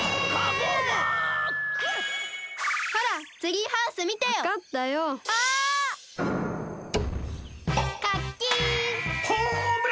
ホームランじゃ！